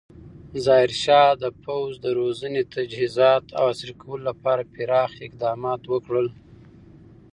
ظاهرشاه د پوځ د روزنې، تجهیزات او عصري کولو لپاره پراخ اقدامات وکړل.